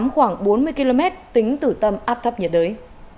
khoảng bốn mươi km tính từ tâm áp thấp nhiệt đới